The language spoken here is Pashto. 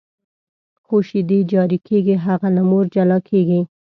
خو شیدې جاري کېږي، هغه له مور جلا کېږي.